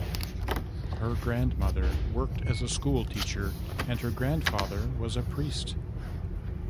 Her grandmother worked as a schoolteacher and her grandfather was a priest.